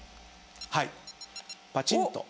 はいパチンと。